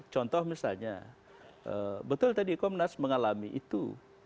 contoh misalnya betul tadi komnas mengalami itu